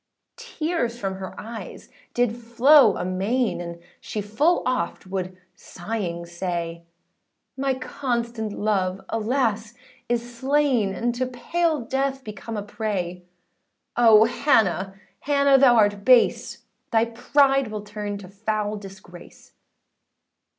Tears from her eyes did flow amain, And she full oft would sighing say, âMy constant love, alas! is slain, And to pale death, become a prey: Oh, Hannah, Hannah thou art base; Thy pride will turn to foul disgrace!